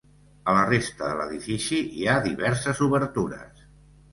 A la resta de l'edifici hi ha diverses obertures.